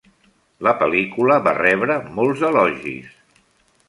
La pel·lícula va rebre molts elogis.